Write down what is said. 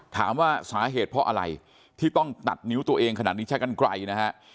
ถามว่าสาเหตุเพราะอะไรที่ต้องตัดนิ้วตัวเองขนาดนี้ใช้กันไกลนะฮะ